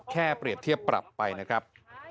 เปรียบเทียบปรับไปนะครับ